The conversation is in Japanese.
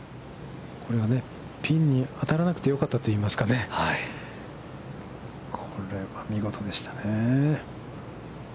これがピンに当たらなくてよかったといいますかね、これは見事でしたね。